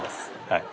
はい。